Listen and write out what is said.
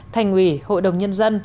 thành ủy hội đồng nhân dân